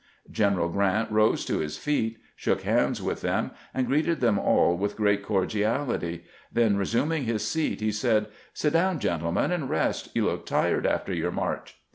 General Grant rose to his feet, shook hands with them, and greeted them all with great cor diality ; then, resuming his seat, he said :" Sit down, gentlemen, and rest ; you look tired after your march."